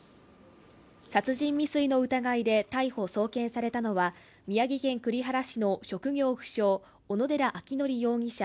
殺人未遂の疑いで逮捕送検されたのは宮城県栗原市の職業不詳・小野寺章仁容疑者